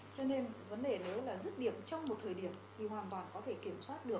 cho nên vấn đề nếu là dứt điểm trong một thời điểm thì hoàn toàn có thể kiểm soát được